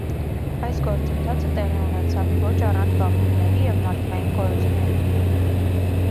Այս գործընթացը տեղի ունեցավ ոչ առանց բախումների և մարդկային կորուստների։